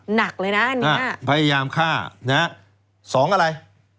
หนักเลยนะอันนี้พยายามฆ่านะฮะสองอะไร